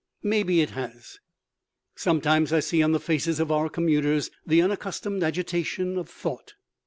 Maybe it has. Sometimes I see on the faces of our commuters the unaccustomed agitation of thought.